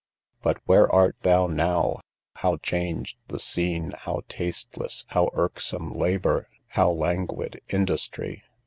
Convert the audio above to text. But where thou art not, how changed the scene! how tasteless, how irksome labour! how languid industry!